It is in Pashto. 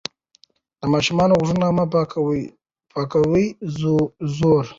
د ماشوم غوږونه مه پاکوئ ژور.